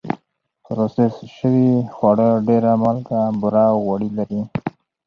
پروسس شوي خواړه ډېر مالګه، بوره او غوړي لري.